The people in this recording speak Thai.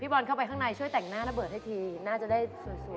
บอลเข้าไปข้างในช่วยแต่งหน้าระเบิดให้ทีน่าจะได้สวย